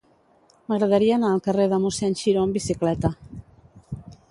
M'agradaria anar al carrer de Mossèn Xiró amb bicicleta.